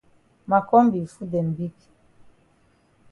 Ma kombi yi foot dem big.